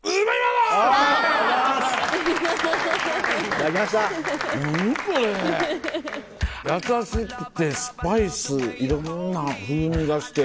優しくてスパイスいろんな風味がして。